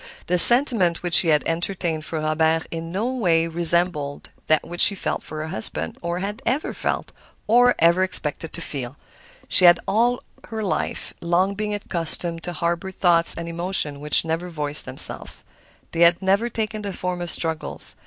The sentiment which she entertained for Robert in no way resembled that which she felt for her husband, or had ever felt, or ever expected to feel. She had all her life long been accustomed to harbor thoughts and emotions which never voiced themselves. They had never taken the form of struggles.